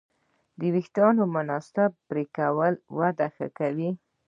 د وېښتیانو مناسب پرېکول وده ښه کوي.